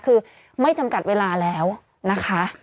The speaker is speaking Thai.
คือไม่จำกัดเวลาแล้วนะคะ